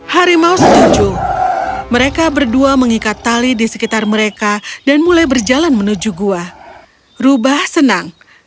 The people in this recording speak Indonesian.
harimau setuju mereka berdua mengikat tali di sekitar mereka dan mulai berjalan menuju gua rubah senang